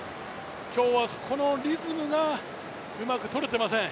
今日はこのリズムがうまくとれてません。